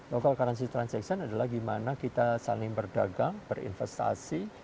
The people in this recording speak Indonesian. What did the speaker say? local currency transaction adalah gimana kita saling berdagang berinvestasi